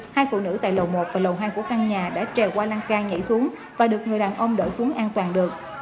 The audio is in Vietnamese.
hai phụ nữ tại lầu một và lầu hai của căn nhà đã trèo qua lan can nhảy xuống và được người đàn ông đổ xuống an toàn được